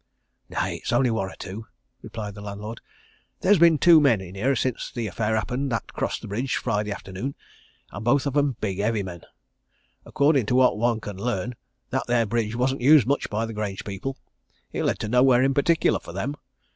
"Nay it's only one or two," replied the landlord. "There's been two men in here since the affair happened that crossed that bridge Friday afternoon and both of 'em big, heavy men. According to what one can learn that there bridge wasn't used much by the Grange people it led to nowhere in particular for them.